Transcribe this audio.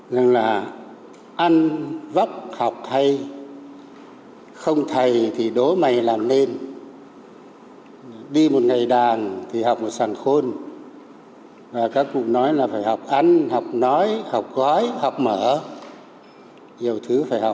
rằng là ăn vấp học hay không thầy thì đố mày làm nên đi một ngày đàn thì học một sàn khôn và các cụ nói là phải học ăn học nói học gói học mở nhiều thứ phải học